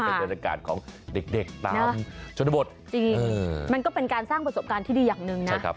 เป็นบรรยากาศของเด็กตามชนบทจริงมันก็เป็นการสร้างประสบการณ์ที่ดีอย่างหนึ่งนะ